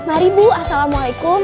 mari bu assalamualaikum